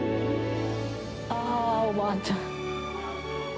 あー、おばあちゃん。